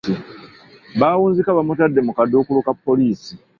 Baawunzika bamutadde mu kaduukulu ka poliisi.